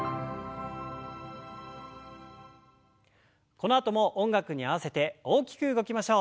このあとも音楽に合わせて大きく動きましょう。